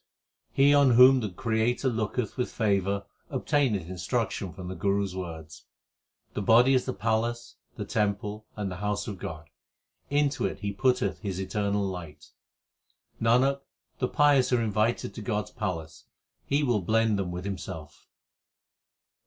He on whom the Creator looketh with favour obtaineth instruction from the Guru s words. The body is the palace, the temple, and the house of God ; into it He putteth His eternal light. Nanak, the pious are invited to God s palace ; He will blend them with Himself.